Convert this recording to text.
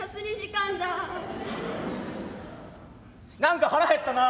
「何か腹減ったな。